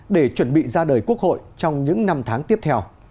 để chuẩn bị ra đời quốc hội trong những năm tháng tiếp theo